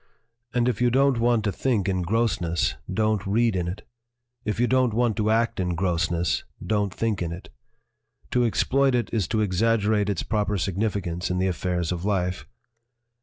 "And if you don't want to think in grossness, / don't read in it; if you don't want to act in gross If ness, don't think in it. To exploit it is to exag gerate its proper significance in the affairs of life.